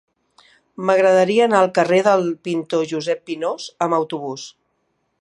M'agradaria anar al carrer del Pintor Josep Pinós amb autobús.